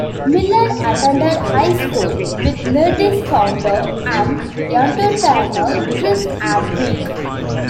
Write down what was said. Miller attended high school with Nerdist founder and entertainer Chris Hardwick.